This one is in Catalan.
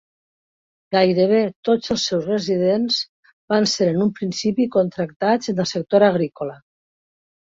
Gairebé tots els seus residents van ser en un principi contractats en el sector agrícola.